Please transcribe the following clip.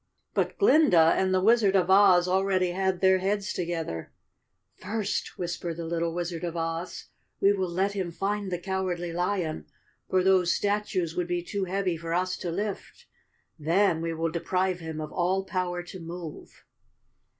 But Glinda and the Wizard of Oz already had their heads together. "First," whispered the little Wizard of Oz, " we will let him find the Cowardly Lion, for those statues would be too heavy for us to lift. Then, we will deprive him of all power to move."